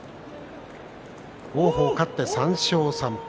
王鵬勝って３勝３敗